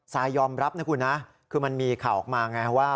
ซายยอมรับนะคุณมันมีข่าวออกมา